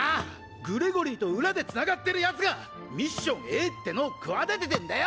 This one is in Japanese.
グレゴリーと裏でつながってる奴がミッションＡってのを企ててんだよ！